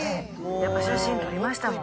やっぱ写真撮りましたもん。